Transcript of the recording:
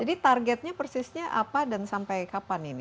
jadi targetnya persisnya apa dan sampai kapan ini